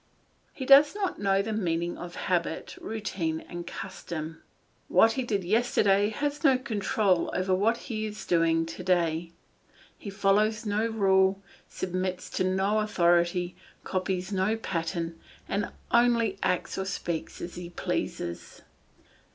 He does not know the meaning of habit, routine, and custom; what he did yesterday has no control over what he is doing to day; he follows no rule, submits to no authority, copies no pattern, and only acts or speaks as he pleases.